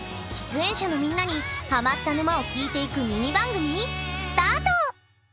出演者のみんなにハマった沼を聞いていくミニ番組スタート！